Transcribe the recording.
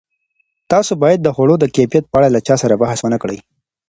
تاسو باید د خوړو د کیفیت په اړه له چا سره بحث ونه کړئ.